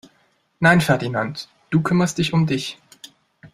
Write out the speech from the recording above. Nein Ferdinand, du kümmerst dich um dich!